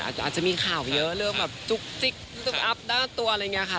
อาจจะมีข่าวเยอะเรื่องแบบจุ๊กจิ๊กอัพด้านตัวอะไรอย่างนี้ค่ะ